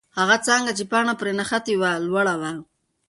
هغه څانګه چې پاڼه پرې نښتې وه، لوړه وه.